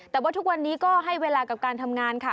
แต่ว่าทุกวันนี้ก็ให้เวลากับการทำงานค่ะ